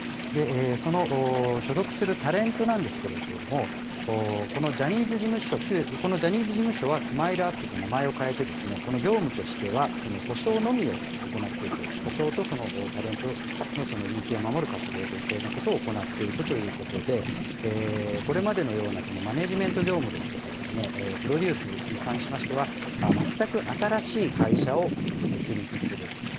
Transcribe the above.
その所属するタレントなんですけれども、このジャニーズ事務所、この旧ジャニーズ事務所はＳＭＩＬＥーＵＰ．と名前を変えて、この業務としては、補償のみを行っていく、補償とタレントの人権を守る活動といったようなことを行っていくということで、これまでのようなマネジメント業務ですとか、プロデュースに関しましては、全く新しい会社を設立する。